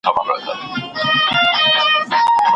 زما چي ژوند په یاد دی د شېبو غوندي تیریږي